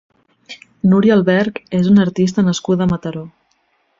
Núria Alberch és una artista nascuda a Mataró.